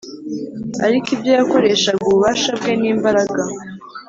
Ariko ibyo yakoreshaga ububasha bwe n imbaraga